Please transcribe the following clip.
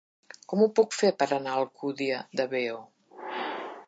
Com ho puc fer per anar a l'Alcúdia de Veo?